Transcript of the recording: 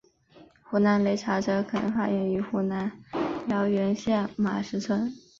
湖南擂茶则可能发源于湖南桃源县马石村。